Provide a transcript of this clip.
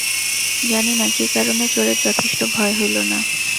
জানি না, কী কারণে চোরের যথেষ্ট ভয় হইল না।